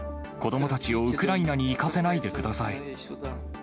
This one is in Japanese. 子どもたちをウクライナに行かせないでください。